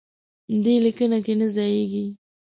دې لیکنه کې نه ځایېږي.